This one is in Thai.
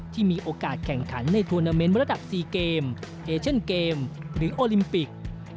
ที่มีโอกาสแข่งขันในทวนาเมนต์ระดับ๔เกมเอเชนเกมหรือโอลิมปิก